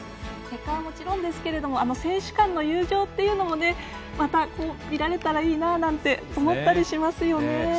結果はもちろんですけど選手間の友情っていうのもまた、見られたらいいななんて思ったりしますよね。